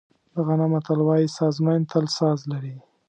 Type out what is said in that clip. د غانا متل وایي سازمېن تل ساز لري.